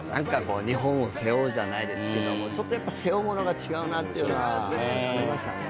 日本を背負うじゃないですけどもちょっとやっぱ背負うものが違うなっていうのは感じましたね。